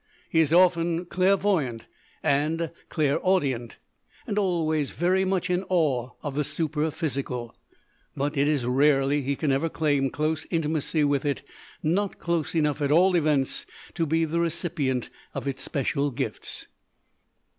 He is often clairvoyant and clairaudiant, and always very much in awe of the superphysical; but it is rarely he can ever claim close intimacy with it not close enough, at all events, to be the recipient of its special gifts.